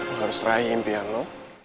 lo harus terakhir impian lo